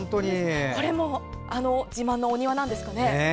これも自慢のお庭なんですかね。